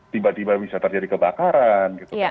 tiba tiba bisa terjadi kebakaran gitu kan